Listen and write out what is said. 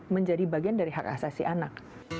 menjadi bagian dari hak asasi anak